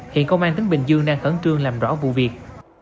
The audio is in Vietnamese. hiện công an tỉnh bình dương đang khẩn trương làm rõ vụ việc